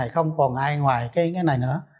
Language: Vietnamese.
không còn ai ngoài cái này nữa